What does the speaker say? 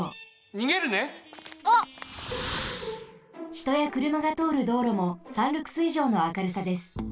ひとやくるまがとおるどうろも３ルクスいじょうの明るさです。